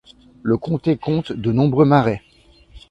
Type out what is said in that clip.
Le comté compte de nombreux marais.